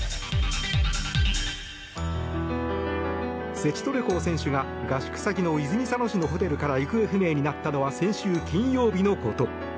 セチトレコ選手が合宿先の泉佐野市のホテルから行方不明になったのは先週金曜日のこと。